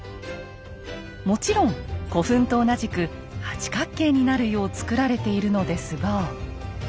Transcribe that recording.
もちろん古墳と同じく八角形になるようつくられているのですが。